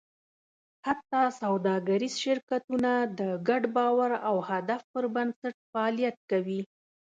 حتی سوداګریز شرکتونه د ګډ باور او هدف پر بنسټ فعالیت کوي.